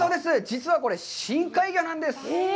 実はこれ深海魚なんです。